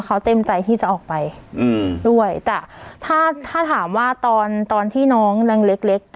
เขาเต็มใจที่จะออกไปอืมด้วยแต่ถ้าถ้าถามว่าตอนตอนที่น้องแรงเล็กเล็ก